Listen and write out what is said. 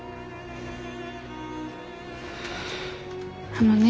あのね。